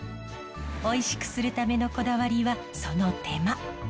おいしくするためのこだわりはその手間。